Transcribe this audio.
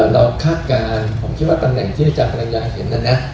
เราคากการผมคิดว่าตำแหน่งที่อาจารย์กำลังอยากเห็นนะนะ